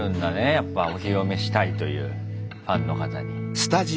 やっぱお披露目したいというファンの方に。